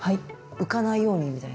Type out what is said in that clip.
浮かないようにみたいな？